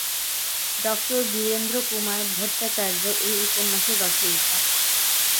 Doctor Birendra Kumar Bhattacharya এই উপন্যাসের রচয়িতা।